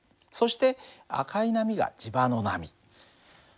そして赤い波が磁場の波。